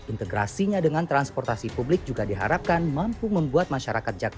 integrasinya dengan transportasi publik juga diharapkan mampu membuat masyarakat jakarta